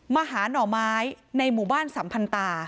มาหาหน่อไม้ในหมู่บ้านสัมพันธา